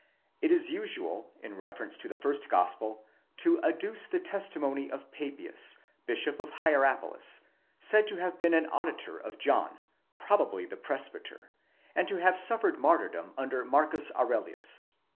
It is usual, in reference to the first Gospel, to adduce the testimony of Papias, Bishop of Hierapolis, said to have been an auditor ἀκουστὴς of John, (probably the presbyter) and to have suffered martyrdom under Marcus Aurelius.